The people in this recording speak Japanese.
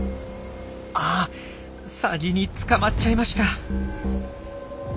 あっサギに捕まっちゃいました。